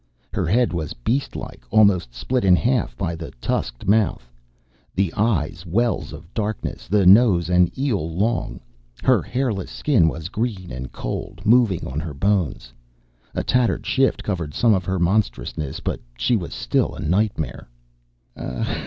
Her head was beast like, almost split in half by the tusked mouth, the eyes wells of darkness, the nose an ell long; her hairless skin was green and cold, moving on her bones. A tattered shift covered some of her monstrousness, but she was still a nightmare.